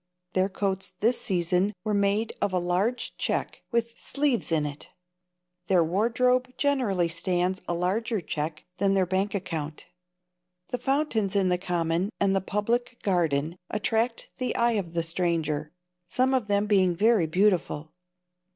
Their coats this season are made of a large check, with sleeves in it. Their wardrobe generally stands a larger check than their bank account. The fountains in the Common and the Public Garden attract the eye of the stranger, some of them being very beautiful.